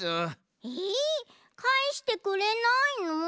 えかえしてくれないの？